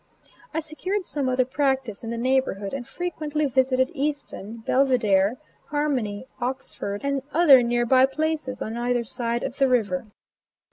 I secured some other practice in the neighborhood, and frequently visited Easton, Belvidere, Harmony, Oxford, and other near by places, on either side of the river.